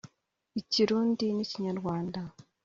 Ikirundi n’Ikinyarwanda